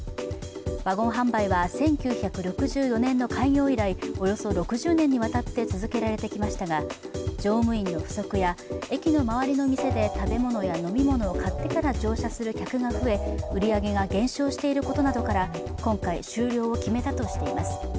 ワゴン販売は１９６４年の開業以来、およそ６０年にわたって続けられてきましたが、乗務員の不足や駅の周りの店で食べ物や飲み物を買ってから乗車する客が増え、売り上げが減少していることなどから今回、終了を決めたとしています。